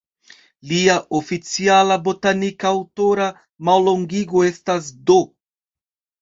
Lia oficiala botanika aŭtora mallongigo estas "D.".